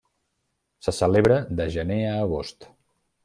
Se celebra de gener a agost.